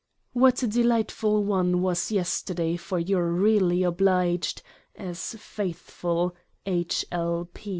■— What a delightful one was yesterday for your really obliged, as faithful H. L.